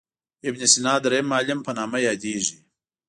ابن سینا درېم معلم په نامه یادیږي.